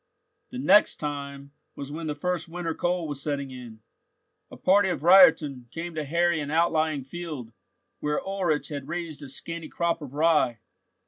The "next time" was when the first winter cold was setting in. A party of reitern came to harry an outlying field, where Ulrich had raised a scanty crop of rye.